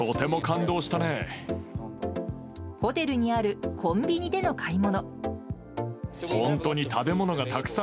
ホテルにあるコンビニでの買い物。